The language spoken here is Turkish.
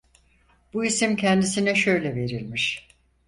Bu isim kendisine şöyle verilmiş: